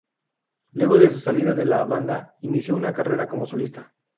Luego de su salida de la banda, inició una carrera como solista.